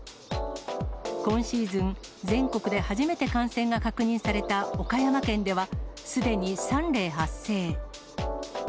今シーズン、全国で初めて感染が確認された岡山県では、すでに３例発生。